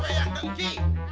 siapa yang dengki